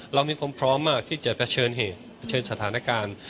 เรามีความพร้อมมากที่จะเผชิญเหตุเผชิญสถานการณ์